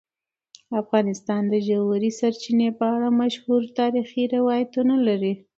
افغانستان د ژورې سرچینې په اړه مشهور تاریخی روایتونه لري.